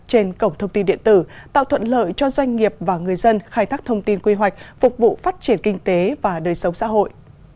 trên cổng thông tin điện tử tạo thuận lợi cho doanh nghiệp và người dân khai thác thông tin quy hoạch phục vụ phát triển kinh tế và đời sống xã hội